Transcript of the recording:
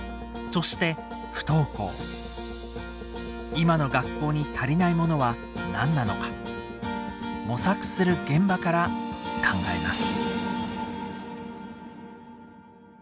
今の学校に足りないものは何なのか模索する現場から考えます。